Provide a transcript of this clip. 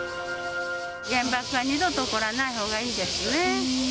原爆は二度と起こらないほうがいいですね。